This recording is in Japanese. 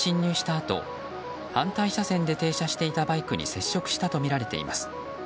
あと反対車線で停車していたバイクに接触したとみられています。